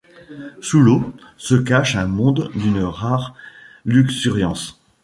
Sous l'eau se cache un monde d'une rare luxuriance.